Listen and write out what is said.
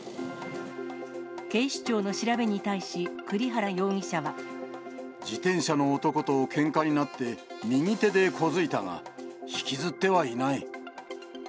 警視庁の調べに対し、栗原容疑者自転車の男とけんかになって、右手で小突いたが、引きずってはいない。